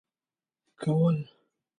كول.